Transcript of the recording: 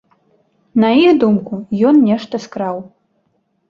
На іх думку, ён нешта скраў.